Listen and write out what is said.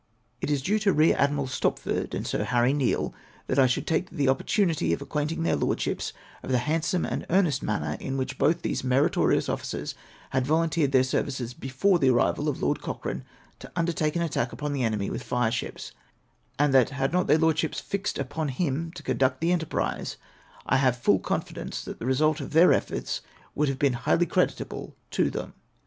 It is due to Eear Admiral Stojjford and Sir Harry Neale, that I should here take the opportunity of acquainting their Lordships of the handsome and earnest manner in which both these meritorious officers had volunteered their services before the arrival of Lord Cochrane to undertake an attack upon the enemy with fireships ; and that, had not their Lordships fixed npon him to conduct the enterprise, I have full confidence that the result of their efforts would have been highly credit able to them.